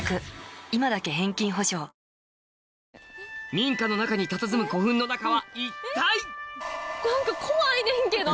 民家の中にたたずむ古墳の中は一体⁉何か怖いねんけど。